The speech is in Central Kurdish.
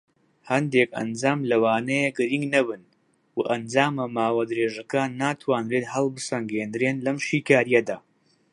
هەندێک ئەنجام لەوانەیە گرینگ نەبن، و ئەنجامە ماوە درێژەکان ناتوانرێت هەڵبسەنگێندرێن لەم شیکاریەدا.